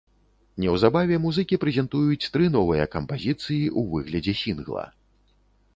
Неўзабаве музыкі прэзентуюць тры новыя кампазіцыі ў выглядзе сінгла.